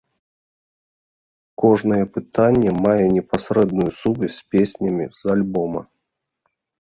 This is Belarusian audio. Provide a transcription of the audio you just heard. Кожнае пытанне мае непасрэдную сувязь з песнямі з альбома.